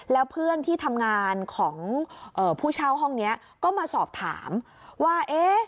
แล้วเพื่อนที่ทำงานของผู้เช่าห้องนี้ก็มาสอบถามว่า